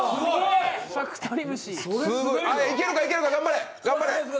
いけるか、いけるか、頑張れ。